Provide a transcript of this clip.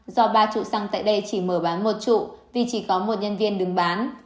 do ba trụ xăng tại đây chỉ mở bán một trụ vì chỉ có một nhân viên đứng bán